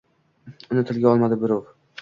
Uni tilga olmadi birov